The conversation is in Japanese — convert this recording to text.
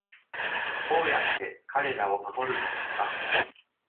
どうやって彼らを守るのですか？